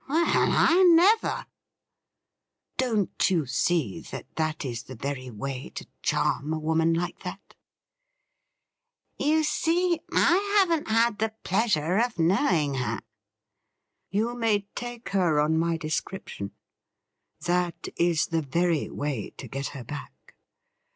' Well, I never !'' Don't you see that that is the very way to charm a woman like that i"' 'You see, I haven't had the pleasure of knowing her.' 'You may take her on my description. That is the very way to get her back.